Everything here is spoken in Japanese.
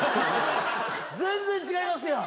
全然違いますやん！